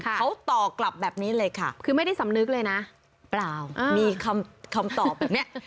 เขาตอบกลับแบบนี้เลยค่ะคือไม่ได้สำนึกเลยนะเปล่ามีคำตอบแบบนี้